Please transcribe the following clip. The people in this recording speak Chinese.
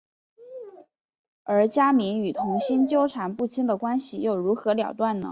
而家明与童昕纠缠不清的关系又如何了断呢？